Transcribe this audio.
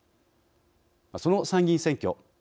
その参議院選挙。